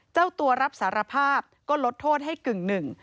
เจ้าตัวรับสารภาพก็ลดโทษให้กึ่งหนึ่ง